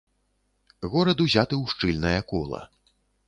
Горад узяты ў шчыльнае кола.